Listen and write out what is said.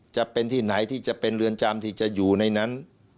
จะเป็นที่ไหนที่จะเป็นเรือนจำที่จะอยู่ในนั้น